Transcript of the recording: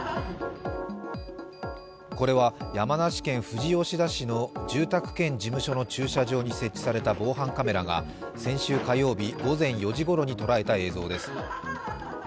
これは山梨県富士吉田市の住宅兼事務所の駐車場に設置された防犯カメラが先週火曜日午前４時ごろに捉えた映像です。